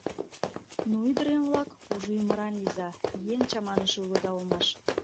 Ну, ӱдырем-влак, кужу ӱмыран лийза: еҥ чаманыше улыда улмаш.